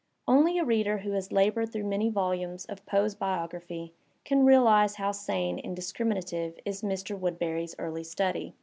Only a reader who has laboured through many volumes of Poe biography can realize how sane and discriminative is Mr. Woodberry's early study.